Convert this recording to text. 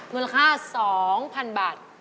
มูลค่า๒๐๐๐บาท